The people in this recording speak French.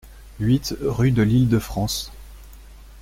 huit rue de L'Île de France